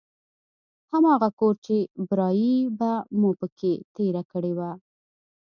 هماغه کور چې برايي به مو په کښې تېره کړې وه.